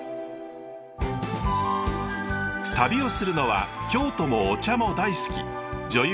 旅をするのは京都もお茶も大好き女優